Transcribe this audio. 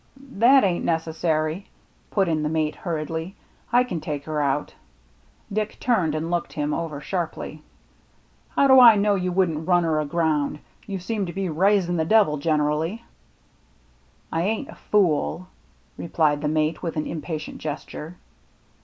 "That ain't necessary," put in the mate, hurriedly ;" I can take her out." Dick turned and looked him over sharply. " How do I know you wouldn't i un her aground? You seem to be raising the devil generally.'* " I ain't a fool," replied the mate, with an impatient gesture.